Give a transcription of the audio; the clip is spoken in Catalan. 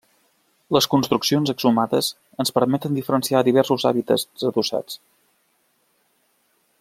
Les construccions exhumades ens permeten diferenciar diversos hàbitats adossats.